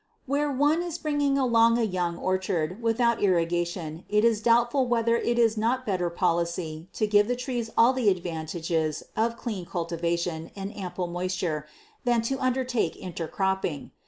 Where one is bringing along a young orchard, without irrigation, it is doubtful whether it is not better policy to give the trees all the advantage of clean cultivation and ample moisture than to undertake intercropping.